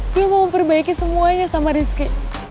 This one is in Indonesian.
dia mau memperbaiki semuanya sama rizky